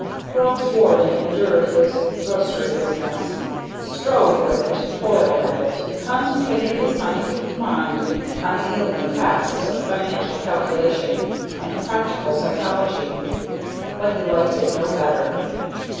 Ross Warden endured his grocery business; strove with it, toiled at it, concentrated his scientific mind on alien tasks of financial calculation and practical psychology, but he liked it no better.